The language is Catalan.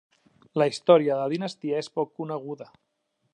La història de la dinastia és poc coneguda.